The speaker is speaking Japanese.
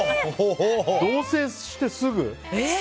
同棲してすぐ？